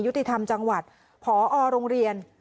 ยุติธรรมจังหวัดผอโรงเรียน